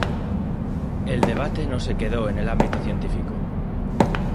El debate no se quedó en el ámbito científico.